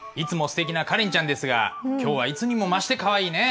すてきなカレンちゃんですが今日はいつにも増してかわいいね。